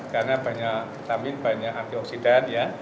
karena banyak vitamin banyak antioksidan ya